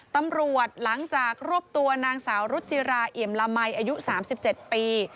ตำรวจหลังจากรวบตัวนางสาวรุจิราเอี่ยมละมัยอายุ๓๗ปี